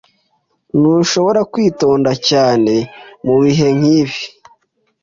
Ntushobora kwitonda cyane mubihe nkibi.